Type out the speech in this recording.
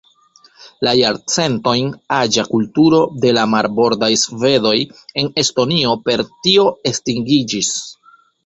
La jarcentojn aĝa kulturo de la "marbordaj svedoj" en Estonio per tio estingiĝis.